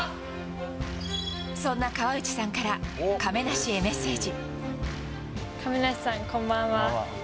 そんな河内さんから亀梨へメッセージ。